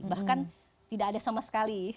bahkan tidak ada sama sekali